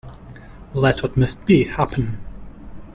Let what must be, happen.